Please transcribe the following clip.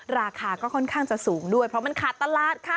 ราคาก็ค่อนข้างจะสูงด้วยเพราะมันขาดตลาดค่ะ